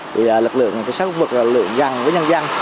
vì lực lượng xã hội vật là lực lượng dân với nhân dân